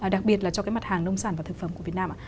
đặc biệt là cho cái mặt hàng nông sản và thực phẩm của việt nam ạ